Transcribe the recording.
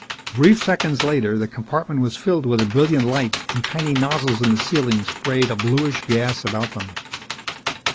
Brief seconds later, the compartment was filled with a brilliant light and tiny nozzles in the ceiling sprayed a bluish gas about them.